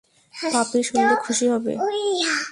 পাপি শুনলে খুশি হবে।